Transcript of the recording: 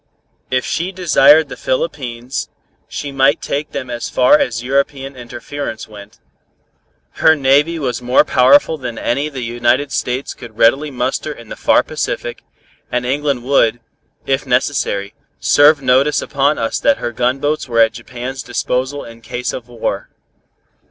If she desired the Philippines, she might take them as far as European interference went. Her navy was more powerful than any the United States could readily muster in the far Pacific, and England would, if necessary, serve notice upon us that her gunboats were at Japan's disposal in case of war.